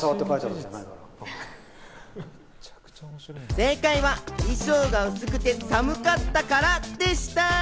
正解は衣装が薄くて寒かったからでした。